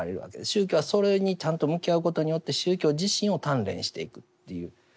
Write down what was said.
宗教はそれにちゃんと向き合うことによって宗教自身を鍛錬していくというところがあります。